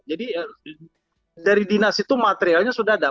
jadi dari dinas itu materialnya sudah ada